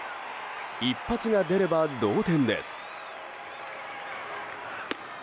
一発が出れば同点です。